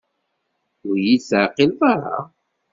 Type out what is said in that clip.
Ur yi-d-teɛqileḍ ara?